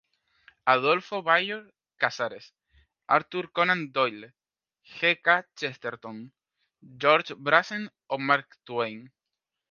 Adolfo Bioy Casares, Arthur Conan Doyle, G. K. Chesterton, Georges Brassens o Mark Twain.